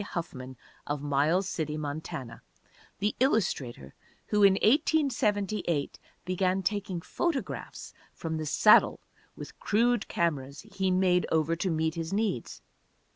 Huffman, of Miles City, Montana, the illustrator who in 1878 began taking photographs from the saddle with crude cameras he made over to meet his needs.